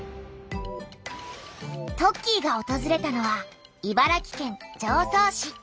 トッキーがおとずれたのは茨城県常総市。